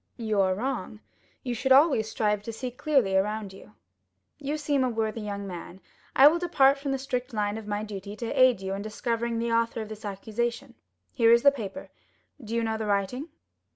"You are wrong; you should always strive to see clearly around you. You seem a worthy young man; I will depart from the strict line of my duty to aid you in discovering the author of this accusation. Here is the paper; do you know the writing?"